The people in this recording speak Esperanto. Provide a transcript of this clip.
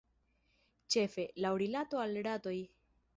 Ĉefe, laŭ rilato al ratoj.